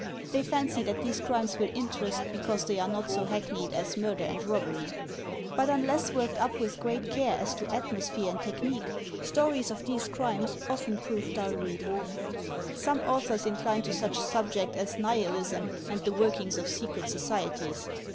They fancy that these crimes will in terest because they are not so hackneyed as murder and rob bery. But unless worked up with great care as to atmosphere and technique, stories of these crimes often prove dull reading. Some authors incline to such subjects as Nihilism and the workings of secret societies.